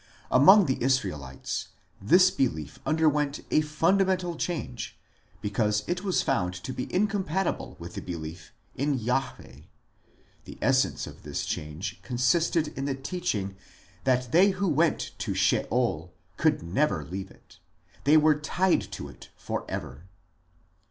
Among the Israelites this belief underwent a fundamental change because it was found to be incompatible with the belief in Jahwe ; the essence of this change consisted in the teach ing that they who went to Sheol could never leave it ; they were tied to it for ever.